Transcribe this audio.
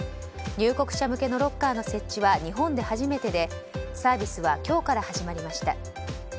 入国者向けのロッカーの設置は日本で初めてでサービスは今日から始まりました。